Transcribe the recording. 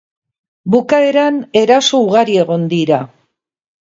Bukaeran eraso ugari egon dira.